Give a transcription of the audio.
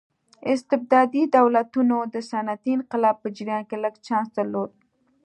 استبدادي دولتونو د صنعتي انقلاب په جریان کې لږ چانس درلود.